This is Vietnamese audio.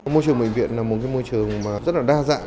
môi trường bệnh viện là một môi trường rất là đa dạng